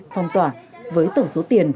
phong tỏa với tổng số tiền